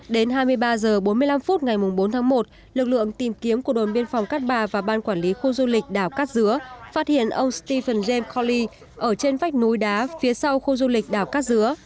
đến hai mươi ba h bốn mươi năm phút ngày bốn tháng một lực lượng tìm kiếm của đồn biên phòng cát bà và ban quản lý khu du lịch đảo cát dứa phát hiện ông stephen james corly ở trên vách núi đá phía sau khu du lịch đảo cát dứa